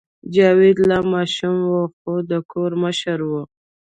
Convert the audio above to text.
جاوید لا ماشوم و خو د کور مشر و